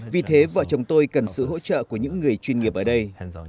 vì thế vợ chồng tôi cần sự hỗ trợ của những người chuyên nghiệp ở đây